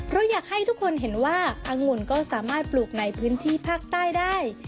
เราอยากให้ทุกคนเห็นว่าอังุ่นก็สามารถปลูกในพื้นที่ภาคใต้ได้